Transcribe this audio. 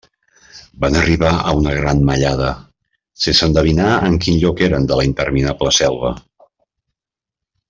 Van arribar a una gran mallada, sense endevinar en quin lloc eren de la interminable selva.